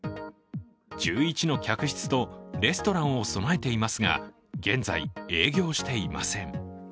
１１の客室とレストランを備えていますが、現在、営業していません。